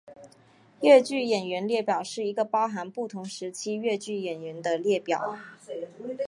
越剧演员列表是一个包含不同时期越剧演员的列表。